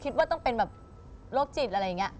คิดว่าต้องเป็นแบบโรคจิตอะไรอย่างนี้